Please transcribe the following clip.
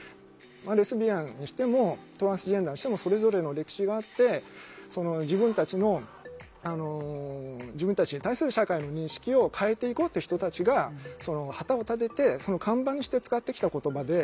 レズビアンにしてもトランスジェンダーにしてもそれぞれの歴史があって自分たちの自分たちへ対する社会の認識を変えていこうという人たちが旗を立てて看板にして使ってきた言葉で。